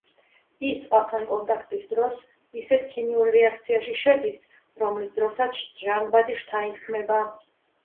ის წყალთან კონტაქტის დროს ისეთ ქიმიურ რეაქციაში შედის, რომლის დროსაც ჟანგბადი შთაინთქმება.